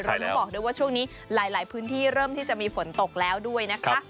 ต้องบอกด้วยว่าช่วงนี้หลายพื้นที่เริ่มที่จะมีฝนตกแล้วด้วยนะคะ